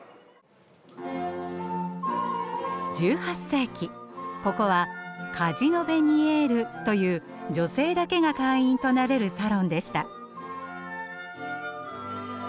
１８世紀ここはカジノ・ヴェニエールという女性だけが会員となれるサロンでした。